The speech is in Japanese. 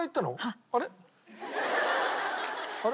あれ？